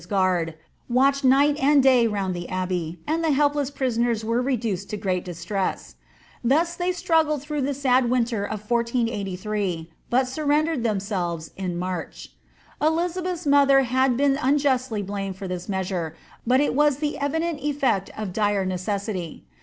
's guard, watched night and day round the abbey, and the helpless prisoners were reduced to great distress. Thus they struggled through the sad winter of 1483, but sur midered themselves in March. Elizabeth's mother has been unjustly blamed for this measure, but it was the evident effect of dire necessity.